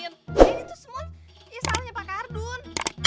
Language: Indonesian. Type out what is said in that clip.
ini tuh semua salahnya pak ardun